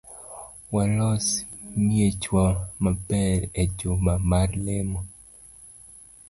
Walos miechwa maber ejuma mar lemo